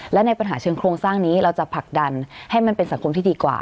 และในปัญหาเชิงโครงสร้างนี้เราจะผลักดันให้มันเป็นสังคมที่ดีกว่า